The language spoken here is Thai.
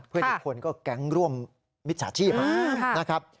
เพื่อนอีกคนก็แก๊งร่วมมิตรสาชีพมากนะครับ